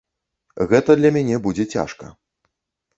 Гэта для мяне будзе цяжка.